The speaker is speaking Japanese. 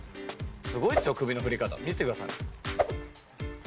すごいっすよ、首の振り方、見てください。